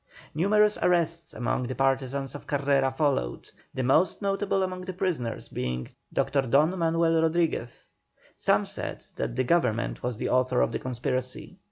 Numerous arrests among the partisans of Carrera followed, the most notable among the prisoners being Dr. Don Manuel Rodriguez. Some said that the Government was the author of the conspiracy.